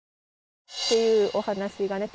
っていうお話がね